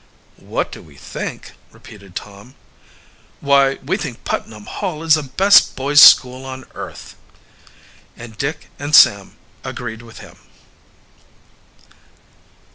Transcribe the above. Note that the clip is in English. "What do we think?" repeated Tom. "Why, we think Putnam Hall is the best boys school on earth!" And Dick and Sam agreed with him.